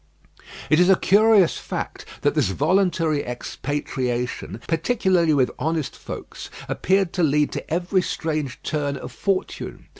It is a curious fact, that this voluntary expatriation, particularly with honest folks, appeared to lead to every strange turn of fortune.